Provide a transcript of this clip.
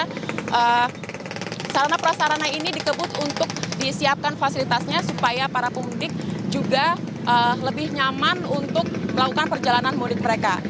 jadi salana prasarana ini dikebut untuk disiapkan fasilitasnya supaya para pundik juga lebih nyaman untuk melakukan perjalanan mudik mereka